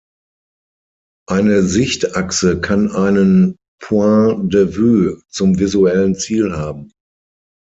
Eine Sichtachse kann einen "point de vue" zum visuellen Ziel haben.